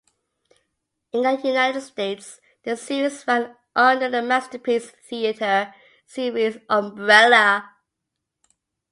In the United States the series ran under the "Masterpiece Theatre" series umbrella.